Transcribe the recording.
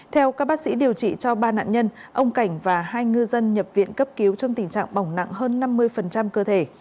theo các bác sĩ điều trị cho ba nạn nhân ông cảnh và hai ngư dân nhập viện cấp cứu trong tình trạng bỏng nặng hơn năm mươi cơ thể